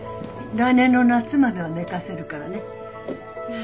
来年の夏までは寝かせるからね。